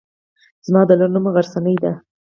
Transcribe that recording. زما د لور نوم غرڅنۍ دی.